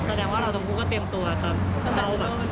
แสดงว่าเราต้องก็เตรียมตัวครับ